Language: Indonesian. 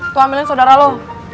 tuh ambilnya saudara lo